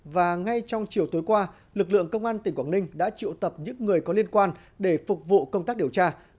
và ngay trong chiều tối qua lực lượng công an tỉnh quảng ninh đã triệu tập những người có liên quan để phục vụ công tác điều tra